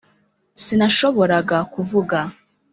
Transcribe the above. sinashoboraga kuvuga.